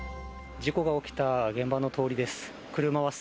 事故が起きた現場の通りです。